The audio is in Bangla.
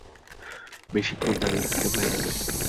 বেশিক্ষণ দাঁড়িয়ে থাকতে পারি না।